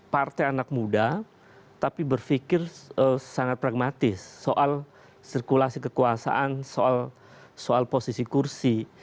partai anak muda tapi berpikir sangat pragmatis soal sirkulasi kekuasaan soal posisi kursi